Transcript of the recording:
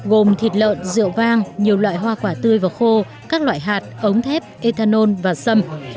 gồm thịt lợn rượu vang nhiều loại hoa quả tươi và khô các loại hạt ống thép ethanol và sâm